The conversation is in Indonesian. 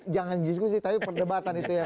jangan diskusi tapi perdebatan itu ya